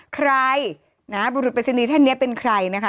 ใครนะบุรุษปริศนีย์ท่านนี้เป็นใครนะคะ